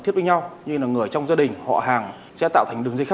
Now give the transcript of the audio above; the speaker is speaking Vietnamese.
điển hình như trong chuyên án chín trăm hai mươi ba k vừa được truyệt phá